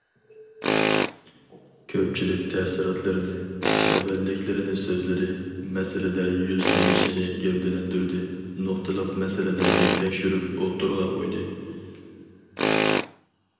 كۆپچىلىك تەسىراتلىرىنى، سەۋەنلىكلىرىنى سۆزلىدى، مەسىلىلەر يۈزلىنىشىنى گەۋدىلەندۈردى، نۇقتىلىق مەسىلىلەرنى تەكشۈرۈپ ئوتتۇرىغا قويدى.